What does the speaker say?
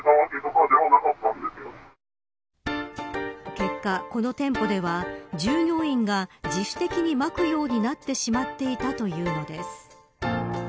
結果、この店舗では従業員が自主的にまくようになってしまっていたというのです。